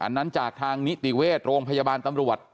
นั้นจากทางนิติเวชโรงพยาบาลตำรวจ